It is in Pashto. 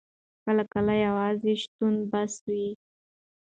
کله کله یوازې شتون بس وي.